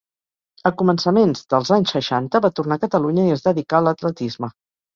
A començaments dels anys seixanta va tornar a Catalunya i es dedicà a l'atletisme.